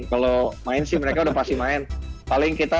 kalau main sih mereka sudah pasti main